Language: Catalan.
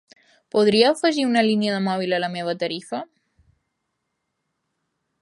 Podria afegir una línia mòbil a la meva tarifa?